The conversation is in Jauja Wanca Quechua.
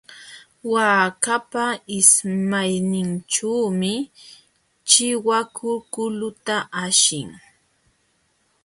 Waakapa ismayninćhuumi chiwaku kuluta ashin.